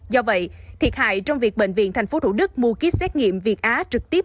do vậy thiệt hại trong việc bệnh viện tp thủ đức mua kýt xét nghiệm việt á trực tiếp